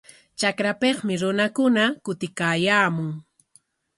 Trakrapikmi runakuna kutiykaayaamun.